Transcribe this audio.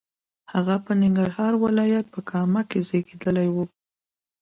هغه په ننګرهار ولایت په کامه کې زیږېدلی و.